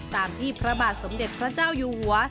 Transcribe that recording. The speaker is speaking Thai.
ตามที่พระบาทสมเด็จพระเจ้าอยู่หัว